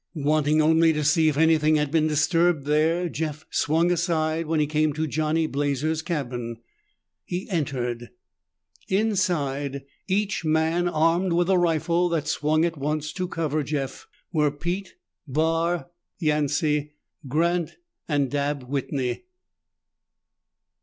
Wanting only to see if anything had been disturbed there, Jeff swung aside when he came to Johnny Blazer's cabin. He entered. Inside, each man armed with a rifle that swung at once to cover Jeff, were Pete, Barr, Yancey, Grant and Dabb Whitney.